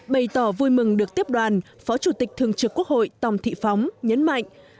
bày tỏ vui mừng được tiếp đoàn phó chủ tịch thường trực quốc hội tòng thị phóng nhấn mạnh